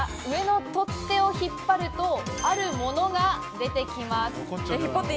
上の取っ手を引っ張ると、あるものが出てきます。